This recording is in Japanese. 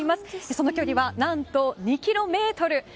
その距離は何と２ｋｍ。